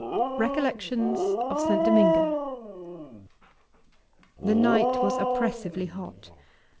RECOLLECTIONS OF ST. DOMINGO. The night was oppressively hot.